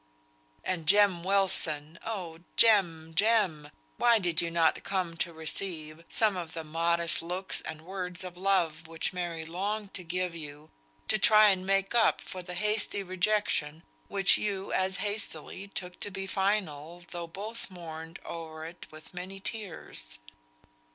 And Jem Wilson! Oh, Jem, Jem, why did you not come to receive some of the modest looks and words of love which Mary longed to give you, to try and make up for the hasty rejection which you as hastily took to be final, though both mourned over it with many tears.